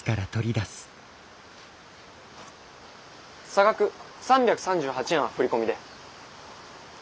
差額３３８円は振込で。